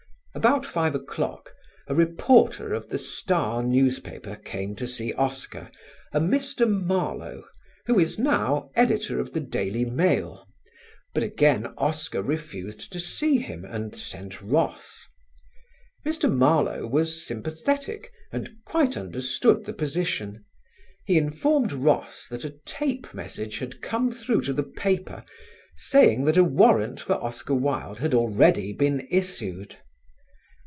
About five o'clock a reporter of the Star newspaper came to see Oscar, a Mr. Marlowe, who is now editor of The Daily Mail, but again Oscar refused to see him and sent Ross. Mr. Marlowe was sympathetic and quite understood the position; he informed Ross that a tape message had come through to the paper saying that a warrant for Oscar Wilde had already been issued.